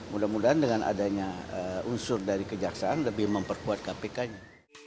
mudah mudahan dengan adanya unsur dari kejaksaan lebih memperkuat kpk nya